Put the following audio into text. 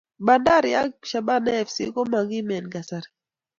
Bandari ak Shabana fc ko makimen kasari